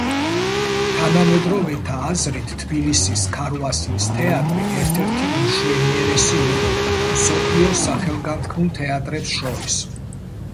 თანამედროვეთა აზრით, თბილისის ქარვასლის თეატრი ერთ-ერთი უმშვენიერესი იყო მსოფლიოს სახელგანთქმულ თეატრებს შორის.